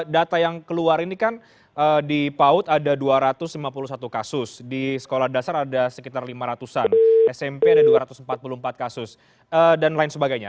data yang keluar ini kan di paut ada dua ratus lima puluh satu kasus di sekolah dasar ada sekitar lima ratus an smp ada dua ratus empat puluh empat kasus dan lain sebagainya